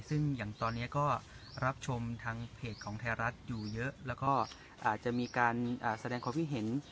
ซึ่งอย่างตอนนี้ก็รับชมทางเพจของไทยรัฐอยู่เยอะแล้วก็อาจจะมีการแสดงความคิดเห็น